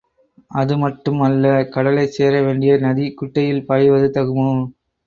அது மட்டும் அல்ல கடலைச்சேர வேண்டிய நதி குட்டையில் பாய்வது தகுமா?